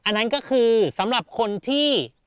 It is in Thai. อันนั้นก็คือสำหรับคนที่